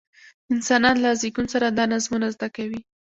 انسانان له زېږون سره دا نظمونه زده کوي.